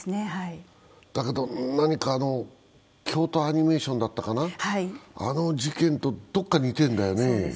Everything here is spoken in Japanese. だけど、何か京都アニメーションだったかな、あの事件とどこか似てるんだよね。